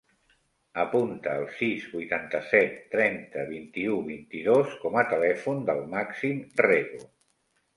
Apunta el sis, vuitanta-set, trenta, vint-i-u, vint-i-dos com a telèfon del Màxim Rego.